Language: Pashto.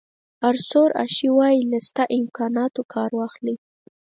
آرثور اشي وایي له شته امکاناتو کار واخلئ.